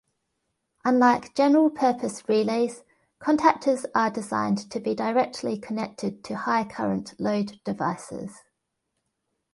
Unlike general-purpose relays, contactors are designed to be directly connected to high-current load devices.